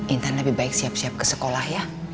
intan lebih baik siap siap ke sekolah ya